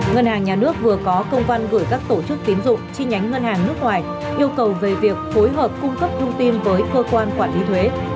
ngân hàng nhà nước vừa có công văn gửi các tổ chức tiến dụng chi nhánh ngân hàng nước ngoài yêu cầu về việc phối hợp cung cấp thông tin với cơ quan quản lý thuế